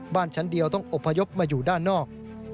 บ้านชั้นเดียวต้องอบพยพมาอยู่ด้านนอก